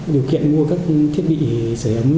điều kiện mua các thiết bị sửa ấm